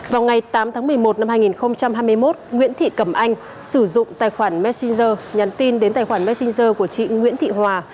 vào ngày tám tháng một mươi một năm hai nghìn hai mươi một nguyễn thị cẩm anh sử dụng tài khoản messenger nhắn tin đến tài khoản messenger của chị nguyễn thị hòa